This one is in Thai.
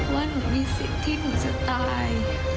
ว่าหนูมีสิทธิ์ที่หนูจะตาย